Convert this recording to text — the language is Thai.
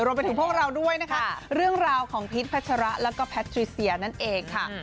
รวมไปถึงพวกเราด้วยนะคะเรื่องราวของพีชพัชระแล้วก็แพทริเซียนั่นเองค่ะ